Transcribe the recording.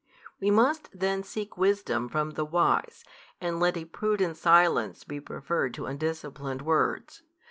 We must then seek wisdom from the wise, and let a prudent silence be preferred to undisciplined words.